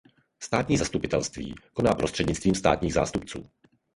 Státní zastupitelství koná prostřednictvím státních zástupců.